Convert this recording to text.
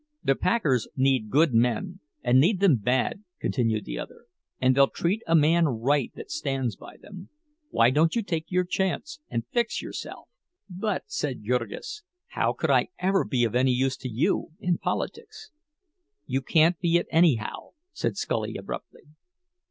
"The packers need good men, and need them bad," continued the other, "and they'll treat a man right that stands by them. Why don't you take your chance and fix yourself?" "But," said Jurgis, "how could I ever be of any use to you—in politics?" "You couldn't be it anyhow," said Scully, abruptly.